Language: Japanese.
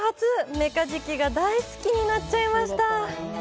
メカジキが大好きになっちゃいました！